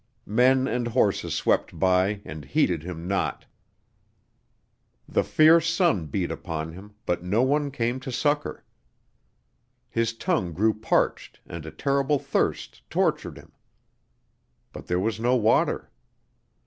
Men and horses swept by and heeded him not! The fierce sun beat upon him, but no one came to succor! His tongue grew parched and a terrible thirst tortured him; but there was no water.